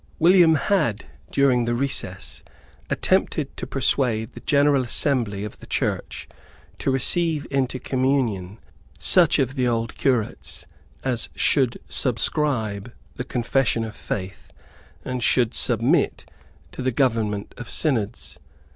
William had, during the recess, attempted to persuade the General Assembly of the Church to receive into communion such of the old curates as should subscribe the Confession of Faith and should submit to the government of Synods.